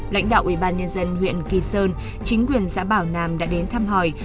lãnh đạo ủy ban nhân dân huyện kỳ sơn chính quyền giã bảo nam đã đến thăm hỏi